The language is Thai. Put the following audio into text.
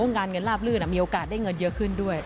งานเงินลาบลื่นมีโอกาสได้เงินเยอะขึ้นด้วย